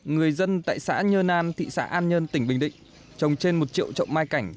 người dân tại xã nhơn an thị xã an nhơn tỉnh bình định trồng trên một triệu tru mai cảnh